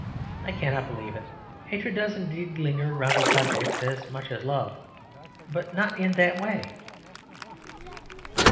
I cannot believe it. Hatred does indeed linger round its object as much as love; but not in that way.